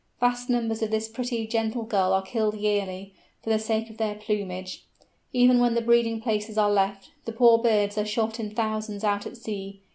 Vast numbers of this pretty gentle Gull are killed yearly, for the sake of their plumage. Even when the breeding places are left, the poor birds are shot in thousands out at sea.